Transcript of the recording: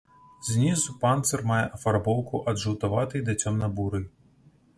Знізу панцыр мае афарбоўку ад жаўтаватай да цёмна-бурай.